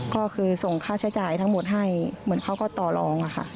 ก็คือส่งค่าใช้จ่ายทั้งหมดให้เหมือนเขาก็ต่อลองค่ะ